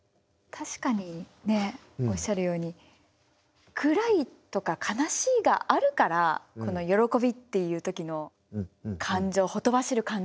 確かにおっしゃるように暗いとか悲しいがあるからこの喜びっていう時の感情ほとばしる